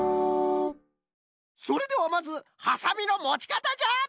それではまずはさみのもちかたじゃ！